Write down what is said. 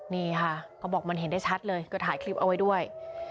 นี่ค่ะเขาบอกมันเห็นได้ชัดเลยก็ถ่ายคลิปเอาไว้ด้วย